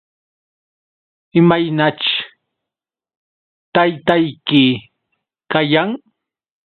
¿Imaynaćh taytayki kayan?